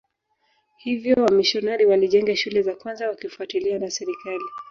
Hivyo wamisionari walijenga shule za kwanza wakifuatiliwa na serikali